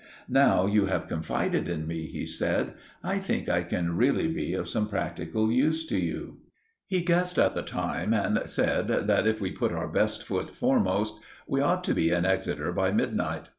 "Now you have confided in me," he said, "I think I can really be of some practical use to you." He guessed at the time and said, that if we put our best foot foremost, we ought to be in Exeter by midnight.